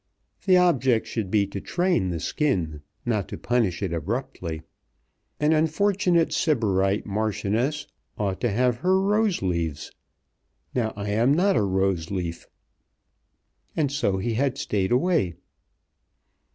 The object should be to train the skin, not to punish it abruptly. An unfortunate Sybarite Marchioness ought to have her rose leaves. Now I am not a rose leaf." And so he had stayed away.